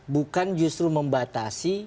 bukan justru membatasi